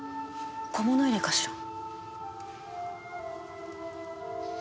小物入れかしら？